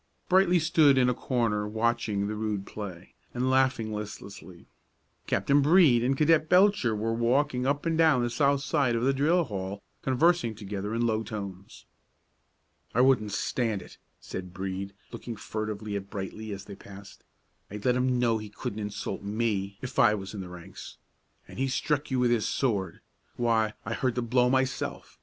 Brightly stood in a corner watching the rude play, and laughing listlessly. Captain Brede and Cadet Belcher were walking up and down the south side of the drill hall, conversing together in low tones. "I wouldn't stand it," said Brede, looking furtively at Brightly as they passed. "I'd let him know he couldn't insult me if I was in the ranks. And he struck you with his sword; why, I heard the blow myself.